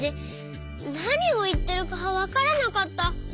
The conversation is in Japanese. なにをいってるかわからなかった。